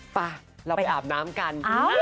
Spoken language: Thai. ไปเราไปอาบน้ำกัน